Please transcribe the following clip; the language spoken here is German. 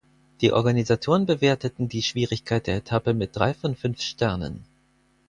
Die Organisatoren bewerteten die Schwierigkeit der Etappe mit drei von fünf Sternen.